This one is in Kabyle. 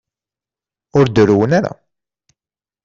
Ur d-urwen ara.